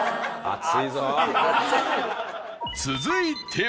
続いては